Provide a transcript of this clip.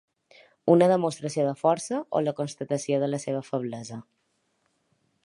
Una demostració de força o la constatació de la seva feblesa?